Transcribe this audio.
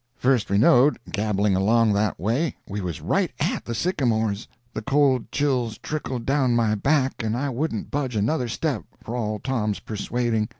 First we knowed, gabbling along that away, we was right at the sycamores. The cold chills trickled down my back and I wouldn't budge another step, for all Tom's persuading.